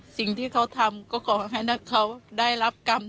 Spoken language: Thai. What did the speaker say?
สิ่งที่เขาทำก็ขอให้เขาได้รับกรรม